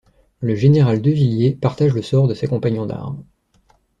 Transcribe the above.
Le général Devilliers partage le sort de ses compagnons d'armes.